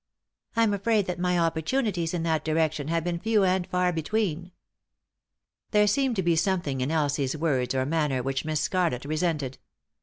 " I'm afraid that my opportunities in that direction have been few and far between." There seemed to be something in Elsie's words or manner which Miss Scarlett resented.